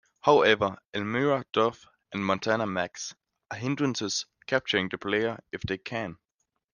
However, Elmyra Duff and Montana Max are hindrances, capturing the player if they can.